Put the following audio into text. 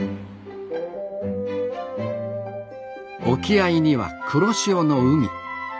沖合には黒潮の海。